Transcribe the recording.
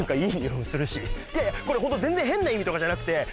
いやいやこれほんと全然変な意味とかじゃなくて。